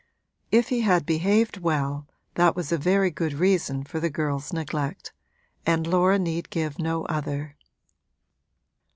If he had behaved well that was a very good reason for the girl's neglect and Laura need give no other.